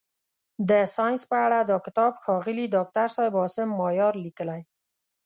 د ساینس په اړه دا کتاب ښاغلي داکتر صاحب عاصم مایار لیکلی.